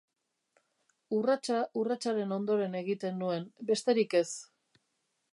Urratsa urratsaren ondoren egiten nuen, besterik ez.